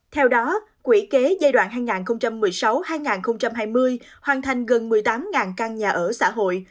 theo đó quỹ kế giai đoạn hai nghìn một mươi sáu hai nghìn hai mươi hoàn thành gần một mươi tám căn nhà ở xã hội